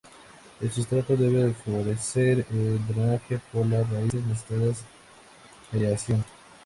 El sustrato debe favorecer el drenaje porque las raíces necesitan aireación.